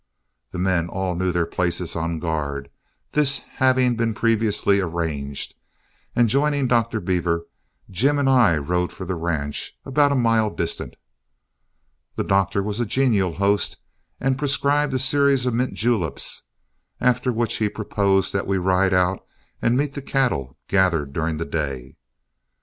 The men all knew their places on guard, this having been previously arranged; and joining Dr. Beaver, Jim and I rode for the ranch about a mile distant. The doctor was a genial host, and prescribed a series of mint juleps, after which he proposed that we ride out and meet the cattle gathered during the day.